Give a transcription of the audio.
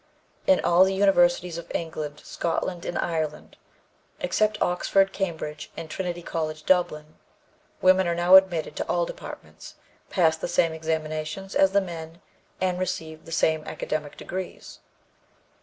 In all the universities of England, Scotland and Ireland, except Oxford, Cambridge and Trinity College, Dublin, women are now admitted to all departments, pass the same examinations as the men and receive the same academic degrees.